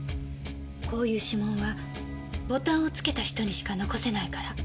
こういう指紋はボタンをつけた人にしか残せないから。